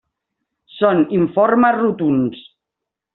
Són informes rotunds.